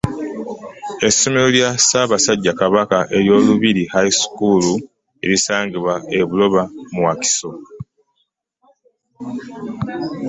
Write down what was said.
Essomero lya Ssaabasajja Kabaka erya Lubiri High School erisangibwa e Buloba mu Wakiso